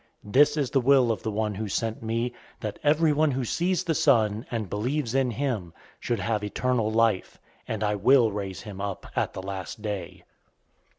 006:040 This is the will of the one who sent me, that everyone who sees the Son, and believes in him, should have eternal life; and I will raise him up at the last day."